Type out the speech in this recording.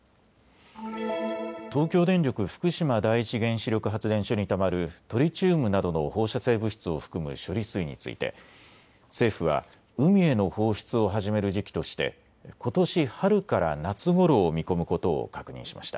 東京電力福島第一原子力発電所にたまるトリチウムなどの放射性物質を含む処理水について政府は海への放出を始める時期として、ことし春から夏ごろを見込むことを確認しました。